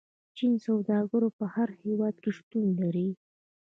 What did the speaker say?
چیني سوداګر په هر هیواد کې شتون لري.